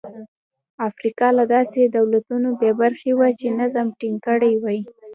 افریقا له داسې دولتونو بې برخې وه چې نظم ټینګ کړي وای.